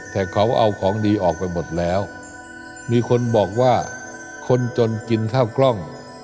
แต่เขาเอาของดีออกไปหมดแล้วมีคนบอกว่าคนจนกินข้าวกล้อง